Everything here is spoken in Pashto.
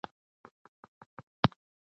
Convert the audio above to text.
قبرونه چې موجود دي، د ملالۍ په نامه یادیږي.